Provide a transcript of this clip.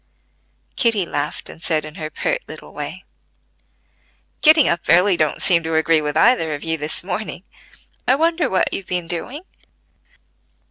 Kitty laughed, and said in her pert little way: "Getting up early don't seem to agree with either of you this morning: I wonder what you've been doing?"